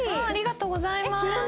ありがとうございます。